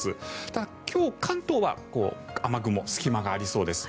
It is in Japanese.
ただ、今日、関東は雨雲、隙間がありそうです。